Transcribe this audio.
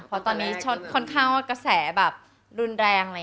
เพราะตอนนี้ค่อนข้างว่ากระแสแบบรุนแรง